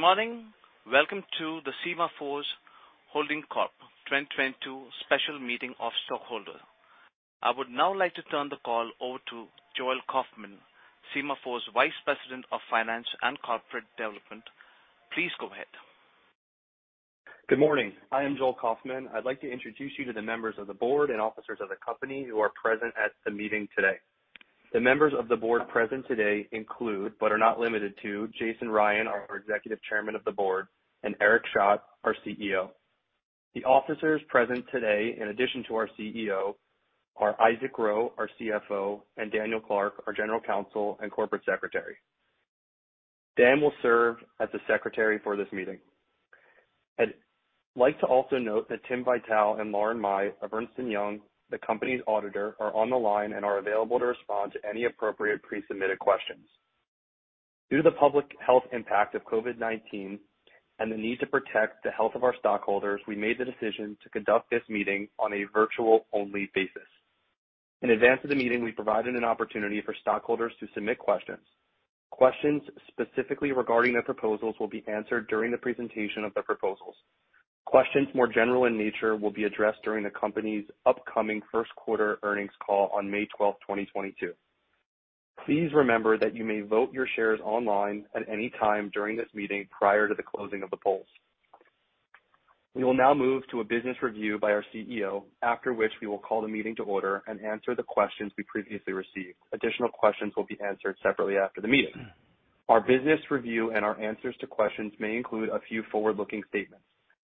Good morning. Welcome to the Sema4 2022 Special Meeting of Stockholders. I would now like to turn the call over to Joel Kaufman, Sema4 Vice President of Finance and Corporate Development. Please go ahead. Good morning. I am Joel Kaufman. I'd like to introduce you to the members of the board and officers of the company who are present at the meeting today. The members of the board present today include, but are not limited to, Jason Ryan, our Executive Chairman of the board, and Eric Schadt, our CEO. The officers present today, in addition to our CEO, are Isaac Ro, our CFO, and Daniel Clark, our General Counsel and Corporate Secretary. Dan will serve as the Secretary for this meeting. I'd like to also note that Tim Vitale and Lauren Mai of Ernst & Young, the company's auditor, are on the line and are available to respond to any appropriate pre-submitted questions. Due to the public health impact of COVID-19 and the need to protect the health of our stockholders, we made the decision to conduct this meeting on a virtual-only basis. In advance of the meeting, we provided an opportunity for stockholders to submit questions. Questions specifically regarding the proposals will be answered during the presentation of the proposals. Questions more general in nature will be addressed during the company's upcoming first quarter earnings call on May 12, 2022. Please remember that you may vote your shares online at any time during this meeting prior to the closing of the polls. We will now move to a business review by our CEO, after which we will call the meeting to order and answer the questions we previously received. Additional questions will be answered separately after the meeting. Our business review and our answers to questions may include a few forward-looking statements.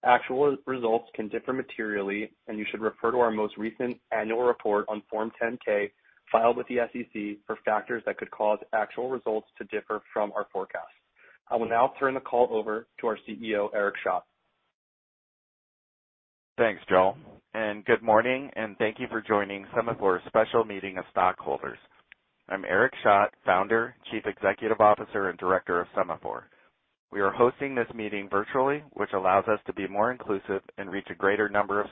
Actual results can differ materially, and you should refer to our most recent annual report on Form 10-K filed with the SEC for factors that could cause actual results to differ from our forecast. I will now turn the call over to our CEO, Eric Schadt. Thanks, Joel. Good morning, and thank you for joining Sema4's special meeting of stockholders. I'm Eric Schadt, Founder, Chief Executive Officer, and Director of Sema4. We are hosting this meeting virtually, which allows us to be more inclusive and reach a greater number of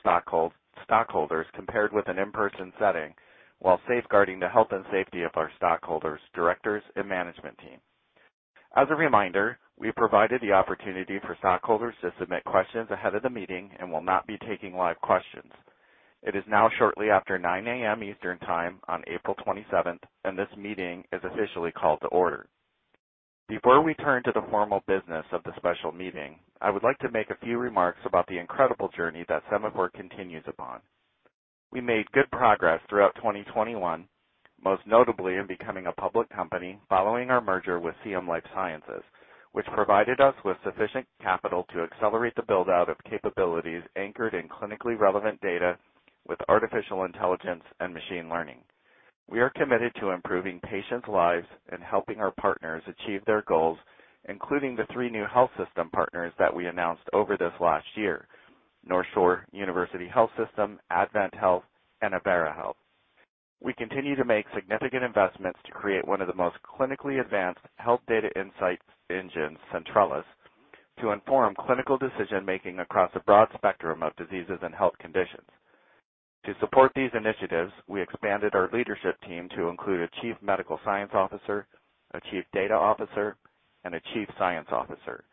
stockholders compared with an in-person setting, while safeguarding the health and safety of our stockholders, directors, and management team. As a reminder, we provided the opportunity for stockholders to submit questions ahead of the meeting and will not be taking live questions. It is now shortly after 9:00 A.M. Eastern Time on April 27, and this meeting is officially called to order. Before we turn to the formal business of the special meeting, I would like to make a few remarks about the incredible journey that Sema4 continues upon. We made good progress throughout 2021, most notably in becoming a public company following our merger with CM Life Sciences, which provided us with sufficient capital to accelerate the build-out of capabilities anchored in clinically relevant data with artificial intelligence and machine learning. We are committed to improving patients' lives and helping our partners achieve their goals, including the three new health system partners that we announced over this last year: NorthShore University HealthSystem, AdventHealth, and Avera Health. We continue to make significant investments to create one of the most clinically advanced health data insight engines, Centrellus, to inform clinical decision-making across a broad spectrum of diseases and health conditions. To support these initiatives, we expanded our leadership team to include a Chief Medical Science Officer, a Chief Data Officer, and a Chief Science Officer.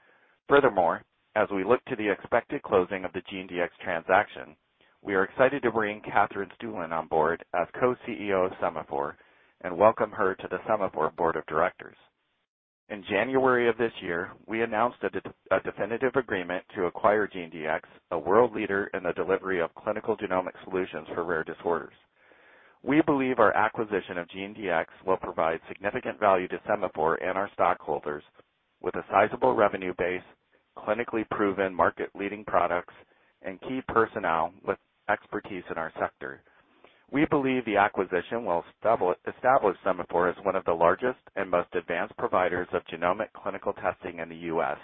Furthermore, as we look to the expected closing of the Sema4 transaction, we are excited to bring Katherine Stueland on board as Co-CEO of Sema4 and welcome her to the Sema4 Board of Directors. In January of this year, we announced a definitive agreement to acquire Sema4, a world leader in the delivery of clinical genomic solutions for rare disorders. We believe our acquisition of Sema4 will provide significant value to Sema4 and our stockholders with a sizable revenue base, clinically proven market-leading products, and key personnel with expertise in our sector. We believe the acquisition will establish Sema4 as one of the largest and most advanced providers of genomic clinical testing in the U.S.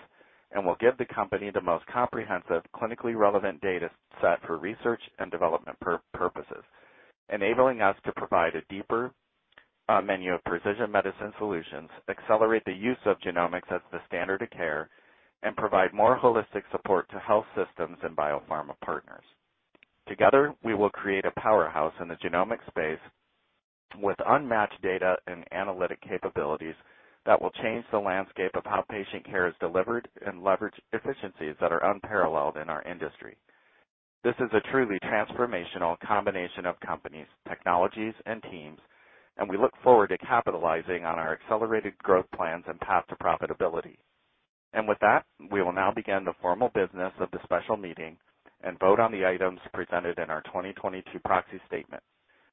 and will give the company the most comprehensive clinically relevant data set for research and development purposes, enabling us to provide a deeper menu of precision medicine solutions, accelerate the use of genomics as the standard of care, and provide more holistic support to health systems and biopharma partners. Together, we will create a powerhouse in the genomic space with unmatched data and analytic capabilities that will change the landscape of how patient care is delivered and leverage efficiencies that are unparalleled in our industry. This is a truly transformational combination of companies, technologies, and teams, and we look forward to capitalizing on our accelerated growth plans and path to profitability. We will now begin the formal business of the special meeting and vote on the items presented in our 2022 Proxy Statement.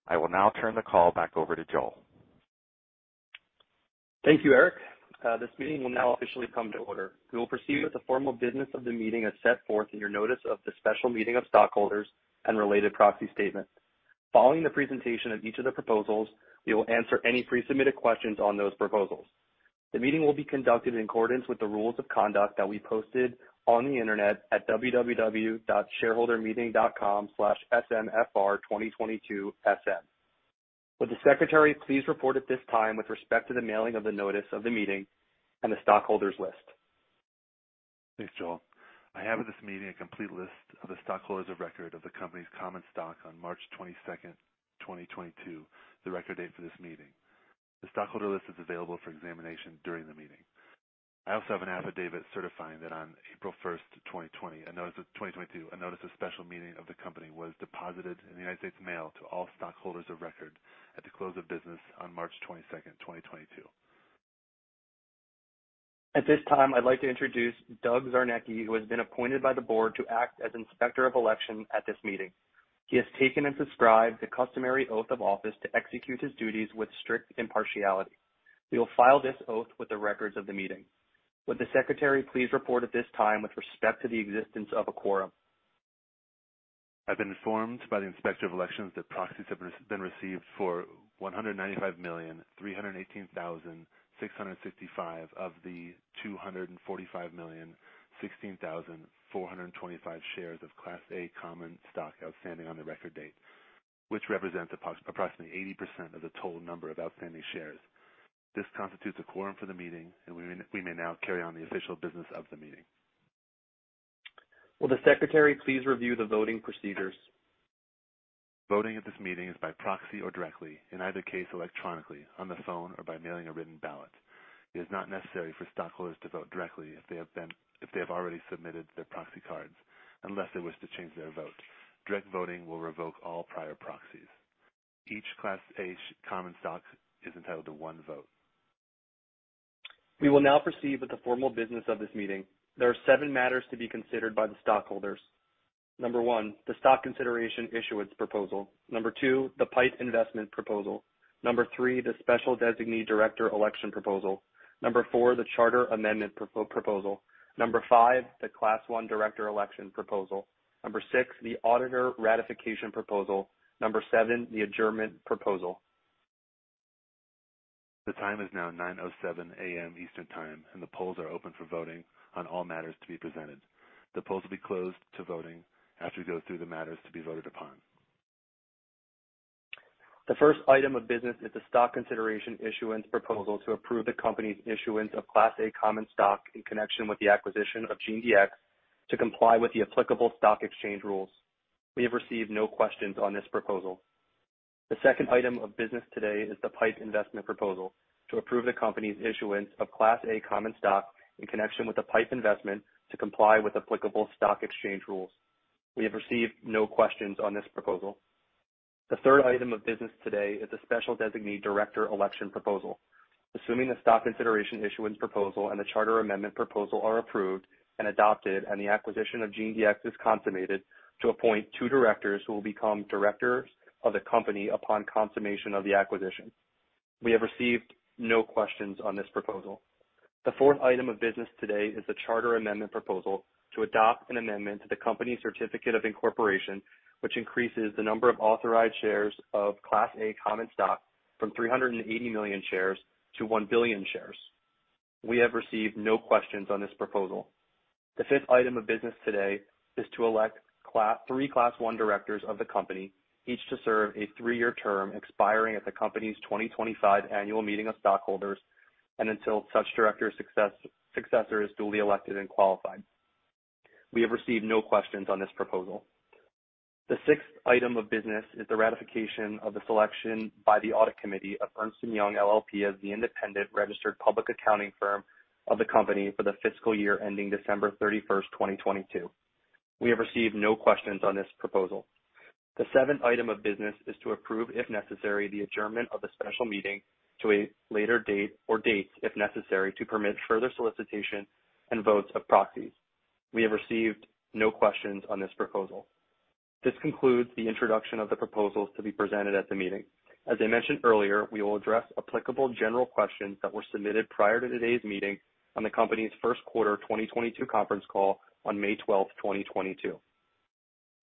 I will now turn the call back over to Joel. Thank you, Eric. This meeting will now officially come to order. We will proceed with the formal business of the meeting as set forth in your notice of the special meeting of stockholders and related proxy statement. Following the presentation of each of the proposals, we will answer any pre-submitted questions on those proposals. The meeting will be conducted in accordance with the rules of conduct that we posted on the internet at www.shareholdermeeting.com/smfr2022sm. Would the Secretary please report at this time with respect to the mailing of the notice of the meeting and the stockholders' list? Thanks, Joel. I have at this meeting a complete list of the stockholders of record of the company's common stock on March 22, 2022, the record date for this meeting. The stockholder list is available for examination during the meeting. I also have an affidavit certifying that on April 1, 2022, a notice of special meeting of the company was deposited in the United States Mail to all stockholders of record at the close of business on March 22, 2022. At this time, I'd like to introduce Doug Zerneki, who has been appointed by the board to act as Inspector of Election at this meeting. He has taken and subscribed the customary oath of office to execute his duties with strict impartiality. We will file this oath with the records of the meeting. Would the Secretary please report at this time with respect to the existence of a quorum? I've been informed by the Inspector of Elections that proxies have been received for 195,318,665 of the 245,016,425 shares of Class A common stock outstanding on the record date, which represents approximately 80% of the total number of outstanding shares. This constitutes a quorum for the meeting, and we may now carry on the official business of the meeting. Will the Secretary please review the voting procedures? Voting at this meeting is by proxy or directly, in either case electronically, on the phone, or by mailing a written ballot. It is not necessary for stockholders to vote directly if they have already submitted their proxy cards, unless they wish to change their vote. Direct voting will revoke all prior proxies. Each Class A common stock is entitled to one vote. We will now proceed with the formal business of this meeting. There are seven matters to be considered by the stockholders. Number one, the stock consideration issuance proposal. Number two, the PIPE investment proposal. Number three, the special designee director election proposal. Number four, the charter amendment proposal. Number five, the Class 1 director election proposal. Number six, the auditor ratification proposal. Number seven, the adjournment proposal. The time is now 9:07 A.M. Eastern Time, and the polls are open for voting on all matters to be presented. The polls will be closed to voting after we go through the matters to be voted upon. The first item of business is the stock consideration issuance proposal to approve the company's issuance of Class A common stock in connection with the acquisition of Sema4 to comply with the applicable stock exchange rules. We have received no questions on this proposal. The second item of business today is the PIPE investment proposal to approve the company's issuance of Class A common stock in connection with the PIPE investment to comply with applicable stock exchange rules. We have received no questions on this proposal. The third item of business today is the special designee director election proposal. Assuming the stock consideration issuance proposal and the charter amendment proposal are approved and adopted and the acquisition of Sema4 is consummated, to appoint two directors who will become directors of the company upon consummation of the acquisition. We have received no questions on this proposal. The fourth item of business today is the charter amendment proposal to adopt an amendment to the company's certificate of incorporation, which increases the number of authorized shares of Class A common stock from 380 million shares to 1 billion shares. We have received no questions on this proposal. The fifth item of business today is to elect three Class 1 directors of the company, each to serve a three-year term expiring at the company's 2025 annual meeting of stockholders and until such director successor is duly elected and qualified. We have received no questions on this proposal. The sixth item of business is the ratification of the selection by the audit committee of Ernst & Young LLP as the independent registered public accounting firm of the company for the fiscal year ending December 31, 2022. We have received no questions on this proposal. The seventh item of business is to approve, if necessary, the adjournment of the special meeting to a later date or dates, if necessary, to permit further solicitation and votes of proxies. We have received no questions on this proposal. This concludes the introduction of the proposals to be presented at the meeting. As I mentioned earlier, we will address applicable general questions that were submitted prior to today's meeting on the company's first quarter 2022 conference call on May 12, 2022.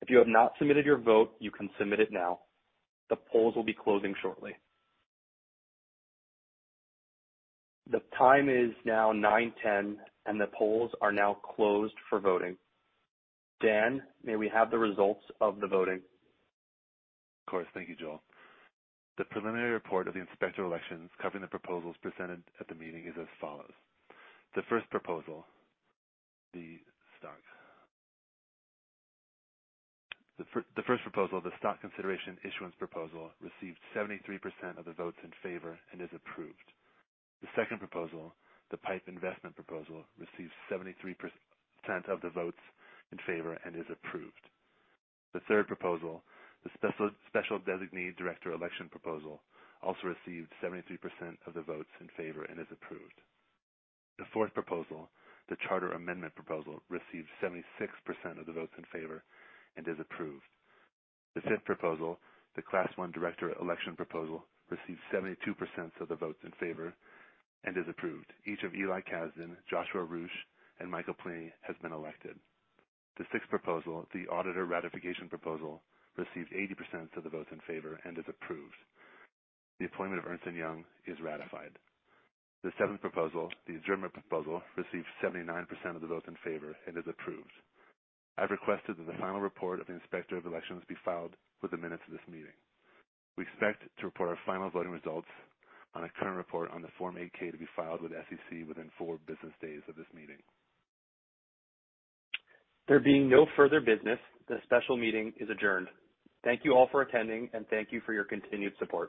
If you have not submitted your vote, you can submit it now. The polls will be closing shortly. The time is now 9:10 A.M., and the polls are now closed for voting. Dan, may we have the results of the voting? Of course. Thank you, Joel. The preliminary report of the Inspector of Elections covering the proposals presented at the meeting is as follows. The first proposal, the stock consideration issuance proposal, received 73% of the votes in favor and is approved. The second proposal, the pipe investment proposal, received 73% of the votes in favor and is approved. The third proposal, the special designee director election proposal, also received 73% of the votes in favor and is approved. The fourth proposal, the charter amendment proposal, received 76% of the votes in favor and is approved. The fifth proposal, the Class 1 director election proposal, received 72% of the votes in favor and is approved. Each of Eli Kazzan, Joshua Roush, and Michael Pliny has been elected. The sixth proposal, the auditor ratification proposal, received 80% of the votes in favor and is approved. The appointment of Ernst & Young is ratified. The seventh proposal, the adjournment proposal, received 79% of the votes in favor and is approved. I've requested that the final report of the Inspector of Elections be filed within minutes of this meeting. We expect to report our final voting results on a current report on the Form 8-K to be filed with the SEC within four business days of this meeting. There being no further business, the special meeting is adjourned. Thank you all for attending, and thank you for your continued support.